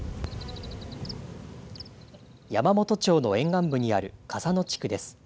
山元町の沿岸部にある笠野地区です。